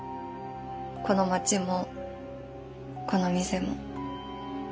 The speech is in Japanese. この町もこの店も。